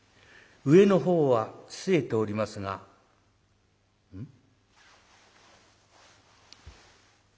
上の方はすえておりますが「ん？」。